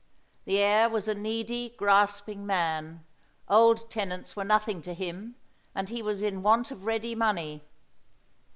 The heir was a needy, grasping man. Old tenants were nothing to him, and he was in want of ready money.